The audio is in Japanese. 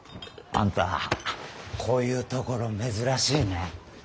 あんたこういう所珍しいね。